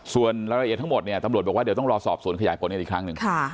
ส่วนรายละเอียดทั้งหมดเนี่ยตำรวจบอกว่าเดี๋ยวต้องรอสอบสวนขยายผลกันอีกครั้งหนึ่ง